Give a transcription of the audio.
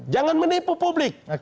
jangan menipu publik